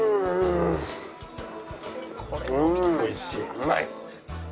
うまい！